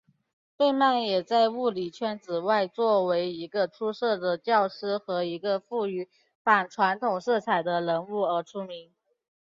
费曼也在物理圈子外作为一个出色的教师和一个富于反传统色彩的人物而出名。